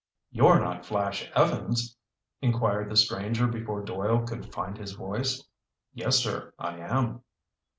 "You're not Flash Evans?" inquired the stranger before Doyle could find his voice. "Yes, sir, I am."